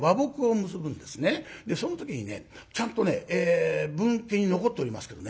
その時にねちゃんとね文献に残っておりますけどね